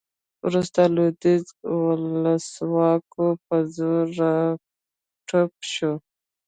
وروسته لویدیځه ولسواکي په زور راوتپل شوه